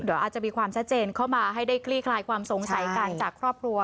เดี๋ยวอาจจะมีความชัดเจนเข้ามาให้ได้คลี่คลายความสงสัยกันจากครอบครัว